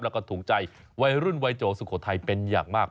แล้วก็ถูกใจวัยรุ่นวัยโจสุโขทัยเป็นอย่างมาก